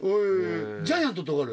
ジャイアントとかある？